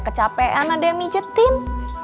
kecapean ada yang ngejetin